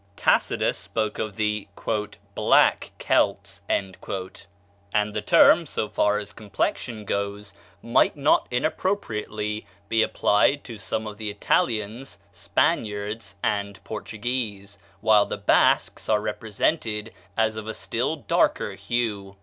Tacitus spoke of the "Black Celts," and the term, so far as complexion goes, might not inappropriately be applied to some of the Italians, Spaniards, and Portuguese, while the Basques are represented as of a still darker hue.